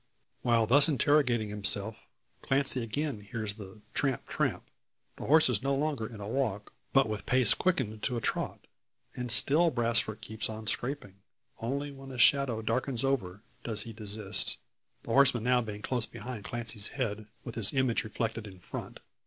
While thus interrogating himself, Clancy again hears the "tramp tramp," the horse no longer in a walk, but with pace quickened to a trot. And still Brasfort keeps on scraping! Only when a shadow darkens over, does he desist; the horseman being now close behind Clancy's head, with his image reflected in front.